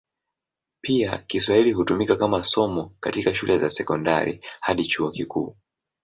Pia Kiswahili hutumika kama somo katika shule za sekondari hadi chuo kikuu.